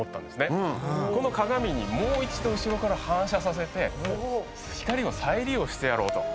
この鏡にもう一度後ろから反射させて光を再利用してやろうと。